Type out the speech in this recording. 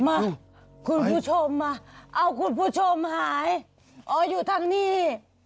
มาคุณผู้ชมมาเอาคุณผู้ชมหายอ๋ออยู่ทางนี้